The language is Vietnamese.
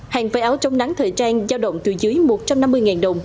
hàng phai áo chống nắng thời trang giao động từ dưới một trăm năm mươi đồng